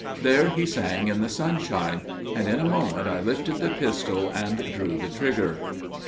There he sang in the sunshine, and in a moment I lifted the pistol and drew the trigger.